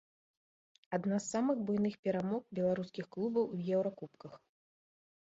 Адна з самых буйных перамог беларускіх клубаў у еўракубках.